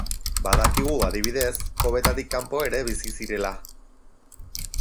Badakigu, adibidez, kobetatik kanpo ere bizi zirela.